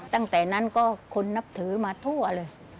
ตั้งแต่นั้นก็คนนับถือมาทั่วเลย